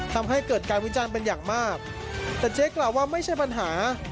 ทำให้เกิดการวิจารณ์เป็นอย่างมากแต่เจ๊กล่าวว่าไม่ใช่ปัญหา